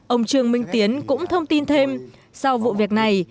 ông trương minh tiến cũng thông tin thêm sau vụ việc này